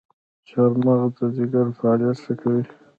چارمغز د ځیګر فعالیت ښه کوي.